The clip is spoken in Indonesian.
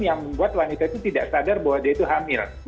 yang membuat wanita itu tidak sadar bahwa dia itu hamil